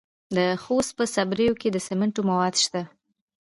د خوست په صبریو کې د سمنټو مواد شته.